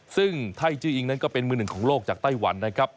ซึ่งไทยจื้ออิงนั้นก็เป็นมือหนึ่งของโลกจากไต้หวันนะครับ